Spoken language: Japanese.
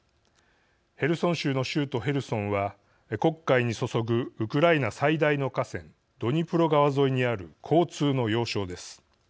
ヘルソン州の州都ヘルソンは黒海に注ぐウクライナ最大の河川ドニプロ川沿いにある交通の要衝です。